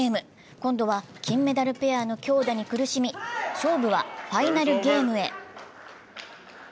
今度は金メダルペアの強打に苦しみ、勝負はファイナルゲームへ。